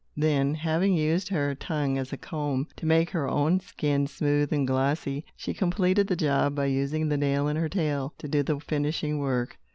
Then, having used her tongue as a comb, to make her own skin smooth and glossy, she completed the job by using the nail in her tail, to do the finishing work.